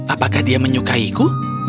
apakah dia menyukaiku